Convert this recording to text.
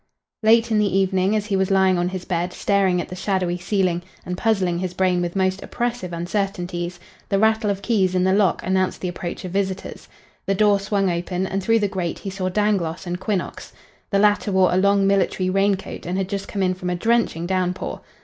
Late in the evening, as he was lying on his bed, staring at the shadowy ceiling and puzzling his brain with most oppressive uncertainties, the rattle of keys in the lock announced the approach of visitors. The door swung open and through the grate he saw Dangloss and Quinnox. The latter wore a long military rain coat and had just come in from a drenching downpour.